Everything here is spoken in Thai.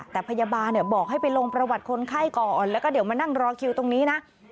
แต่พยาบาลบอกให้ไปลงประวัติคนไข้ก่อนแล้วก็เดี๋ยวมานั่งรอคิวตรงนี้นะ